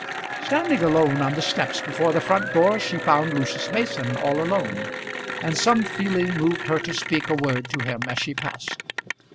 Standing alone on the steps before the front door she found Lucius Mason all alone, and some feeling moved her to speak a word to him as she passed.